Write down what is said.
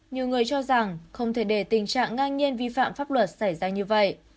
nhiều người cho rằng không thể để tình trạng ngang nhiên vi phạm pháp luật xảy ra như vậy